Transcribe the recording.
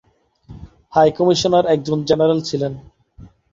High commissioner একজন general ছিলেন।